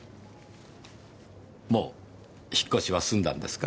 もう引っ越しは済んだんですか？